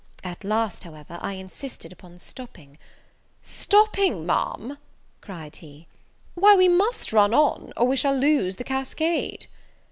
At last, however, I insisted upon stopping: "Stopping, Ma'am!" cried he, "why we must run on or we shall lose the cascade!"